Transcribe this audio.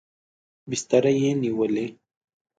بستره یې نیولې.